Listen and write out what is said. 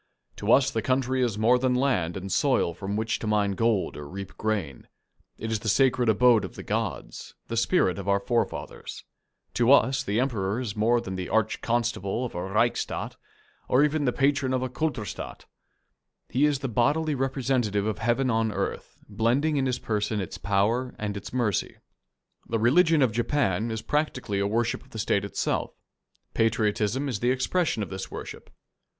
... To us the country is more than land and soil from which to mine gold or reap grain it is the sacred abode of the gods, the spirit of our forefathers; to us the Emperor is more than the Arch Constable of a Reichsstaat, or even the Patron of a Kulturstaat; he is the bodily representative of heaven on earth, blending in his person its power and its mercy." The religion of Japan is practically a worship of the State itself. Patriotism is the expression of this worship.